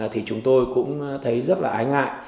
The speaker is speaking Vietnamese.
thì chúng tôi cũng thấy rất là ái ngại